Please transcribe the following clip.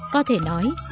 có thể nói